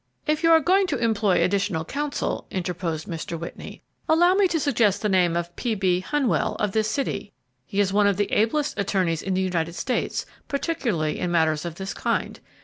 "If you are going to employ additional counsel," interposed Mr. Whitney, "allow me to suggest the name of P. B. Hunnewell, of this city; he is one of the ablest attorneys in the United States, particularly in matters of this kind.